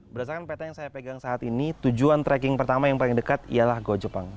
berdasarkan peta yang saya pegang saat ini tujuan tracking pertama yang paling dekat ialah go jepang